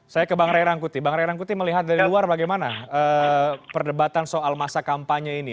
saya ke bang ray rangkuti bang ray rangkuti melihat dari luar bagaimana perdebatan soal masa kampanye ini